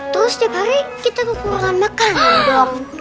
terus setiap hari kita berkurang makan dong